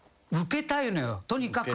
とにかく。